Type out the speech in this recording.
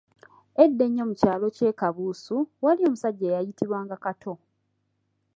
Edda ennyo mu kyaalo kye Kabuusu, waaliyo omusajja eyayitibwa nga Kato.